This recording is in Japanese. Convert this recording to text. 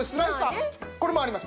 これもあります。